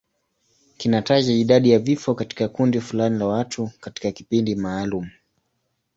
Kinataja idadi ya vifo katika kundi fulani la watu katika kipindi maalum.